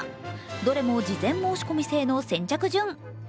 どれも事前申し込み制の先着順。